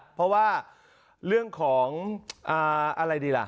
เพราะว่าเรื่องของอะไรดีล่ะ